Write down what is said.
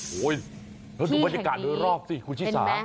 โหยน่าสุดบรรยากาศเลยรอบสิคุณชิสา